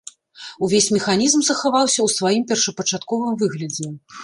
Увесь механізм захаваўся ў сваім першапачатковым выглядзе.